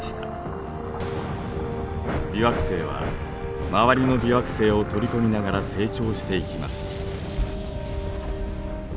微惑星は周りの微惑星を取り込みながら成長していきます。